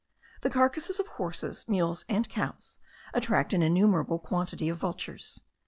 The carcases of horses, mules, and cows, attract an innumerable quantity of vultures.